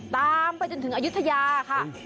ตามไปจนถึงอายุทยาค่ะ